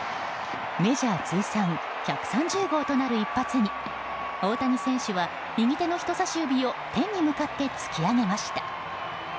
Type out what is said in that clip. メジャー通算１３０号となる一発に、大谷選手は右手の人さし指を天に向かって突き上げました。